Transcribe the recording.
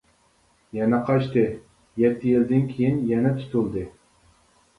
يەنە قاچتى، يەتتە يىلدىن كېيىن يەنە تۇتۇلدى.